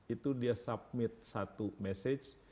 itu dia submit satu message